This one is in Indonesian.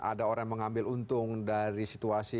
ada orang yang mengambil untung dari situasi